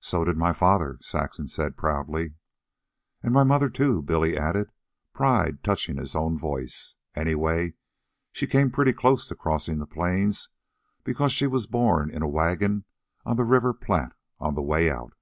"So did my father," Saxon said proudly. "An' my mother, too," Billy added, pride touching his own voice. "Anyway, she came pretty close to crossin' the plains, because she was born in a wagon on the River Platte on the way out."